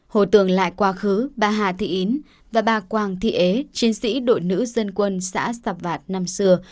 hồi tường lại quá khứ bà hà thị ý và bà quang thị ế chiến sĩ đội nữ dân quân xã sạp vạt năm xưa